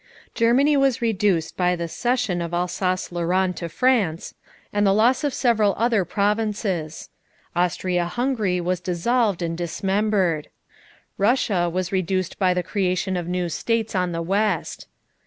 Germany was reduced by the cession of Alsace Lorraine to France and the loss of several other provinces. Austria Hungary was dissolved and dismembered. Russia was reduced by the creation of new states on the west.